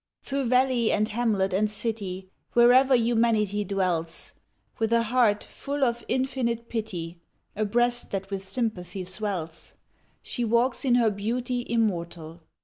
Through valley and hamlet and city, Wherever humanity dwells, With a heart full of infinite pity, A breast that with sympathy swells, She walks in her beauty immortal.